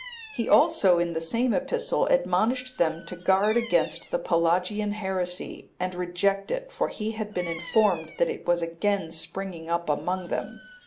(265) He also in the same epistle admonished them to guard against the Pelagian heresy,(266) and reject it, for he had been informed that it was again springing up among them.